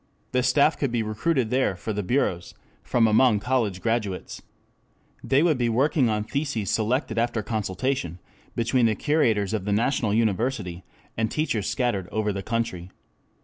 The staff could be recruited there for the bureaus from among college graduates. They would be working on theses selected after consultation between the curators of the national university and teachers scattered over the country.